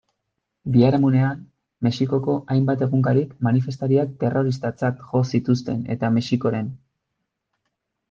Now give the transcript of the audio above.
Biharamunean, Mexikoko hainbat egunkarik manifestariak terroristatzat jo zituzten eta Mexikoren.